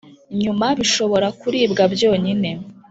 Nyuma bishobora kuririmbwa byonyine.